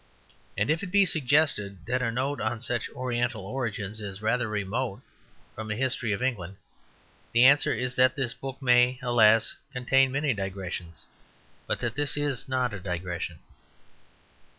And if it be suggested that a note on such Oriental origins is rather remote from a history of England, the answer is that this book may, alas! contain many digressions, but that this is not a digression.